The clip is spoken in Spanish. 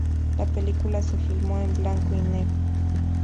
La película se filmó en blanco y negro.